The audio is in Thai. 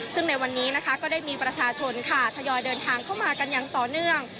ซึ่งในวันนี้นะคะก็ได้มีประชาชนค่ะทยอยเดินทางเข้ามากันอย่างต่อเนื่อง